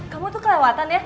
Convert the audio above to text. kamu tuh kelewatan ya